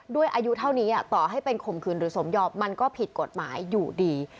ด้วยอายุเท่านี้ต่อให้เป็นข่มขืนหรือสมยอมมันก็ผิดกฎหมายอยู่ดี